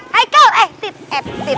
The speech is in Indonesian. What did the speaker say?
haikal eh tip eh tip